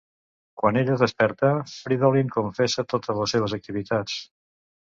Quan ella es desperta, Fridolin confessa totes les seves activitats.